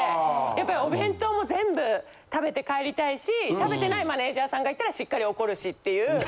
やっぱりお弁当も全部食べて帰りたいし食べてないマネジャーさんがいたらしっかり怒るしっていう。